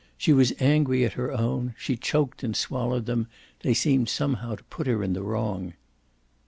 She was angry at her own; she choked and swallowed them; they seemed somehow to put her in the wrong.